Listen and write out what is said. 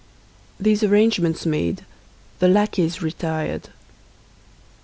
These arrangements made, the lackeys retired.